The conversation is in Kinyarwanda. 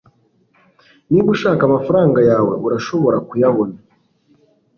niba ushaka amafaranga yawe, urashobora kuyabona